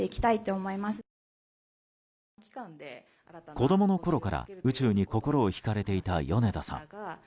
子供のころから宇宙に心を引かれていた米田さん。